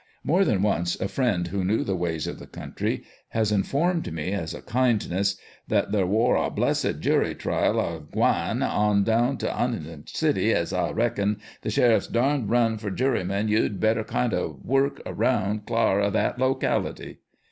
More than once a friend who knew the ways of the country has informed me, as a kindness, that " there wor a (blessed) jury trial agwine on. down to Humbug City, and, as I reckon, the sheriff's darned run for jurymen, you'd better kinder work round clar of that loc ality."